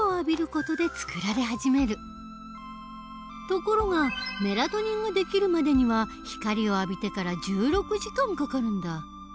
ところがメラトニンができるまでには光を浴びてから１６時間かかるんだ。